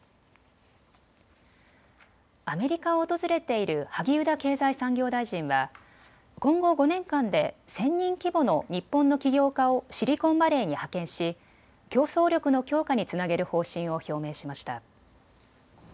アメリカを訪れている萩生田経済産業大臣は今後５年間で１０００人規模の日本の起業家をシリコンバレーに派遣し競争力の強化につなげる方針を表明しました。